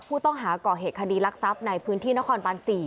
ผู้ต้องหาก่อเหตุคดีรักทรัพย์ในพื้นที่นครบาน๔